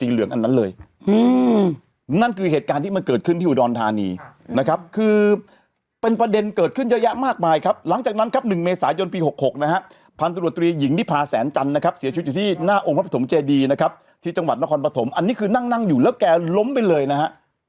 หญิงดิพาแสนจันทร์นะครับเสียชีวิตอยู่ที่หน้าองค์พระปฐมเจดีนะครับที่จังหวัดนครปฐมอันนี้คือนั่งอยู่แล้วแกล้มไปเลยนะ